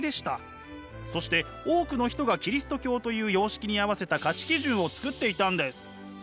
そして多くの人がキリスト教という様式に合わせた価値基準を作っていたんです。